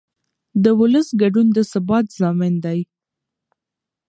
د ولس ګډون د ثبات ضامن دی